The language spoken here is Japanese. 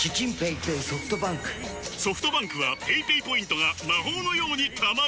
ソフトバンクはペイペイポイントが魔法のように貯まる！